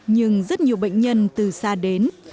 nhưng rất nhiều bệnh nhân từ xa đến